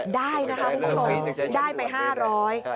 ได้นะคะคุณผู้ชมได้ไป๕๐๐บาท